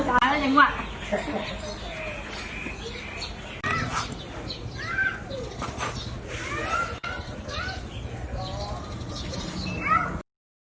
เทียนแหลงที่ไม่กิน